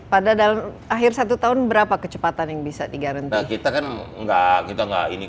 pada akhir satu tahun berapa kecepatan yang bisa diganti